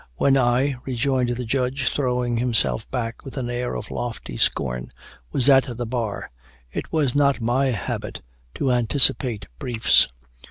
"When I," rejoined the judge, throwing himself back with an air of lofty scorn, "was at the bar, it was not my habit to anticipate briefs."